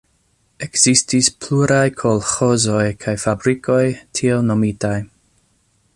Ekzistis pluraj kolĥozoj kaj fabrikoj, tiel nomitaj.